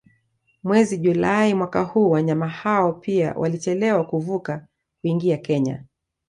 Mwezi Julai mwaka huu wanyama hao pia walichelewa kuvuka kuingia Kenya